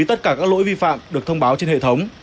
tất cả các lỗi vi phạm được thông báo trên hệ thống